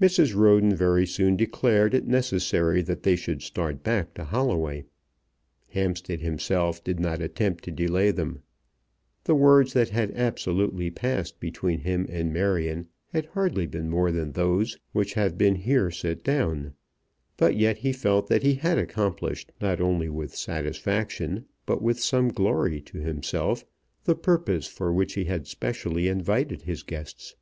Mrs. Roden very soon declared it necessary that they should start back to Holloway. Hampstead himself did not attempt to delay them. The words that had absolutely passed between him and Marion had hardly been more than those which have been here set down, but yet he felt that he had accomplished not only with satisfaction but with some glory to himself the purpose for which he had specially invited his guests.